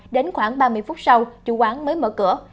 đến khoảng ba mươi phút sau chủ quán mới mở cửa